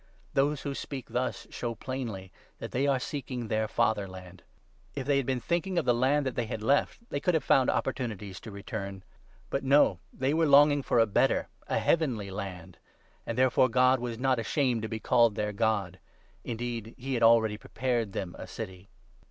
Those who speak thus show plainly that they are seeking their fatherland. If they had been thinking of the land that they had left, they could have found opportunities to return. But no, they were longing for a better, a heavenly, land ! And therefore God was not ashamed to be called their God ; indeed he had already prepared them a city. 4 Gen. 4. 4. »—• Gen. 5.